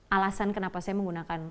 alasan kenapa saya menggunakan